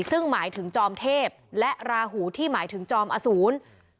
ซึ่งหมายถึงจอมเทพและราหูที่หมายถึงจอมอสูร